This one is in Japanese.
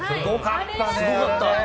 すごかった。